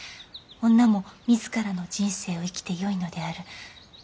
女も自らの人生を生きてよいのである」。